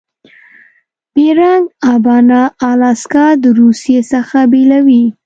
بیرنګ آبنا الاسکا د روسي څخه بیلوي.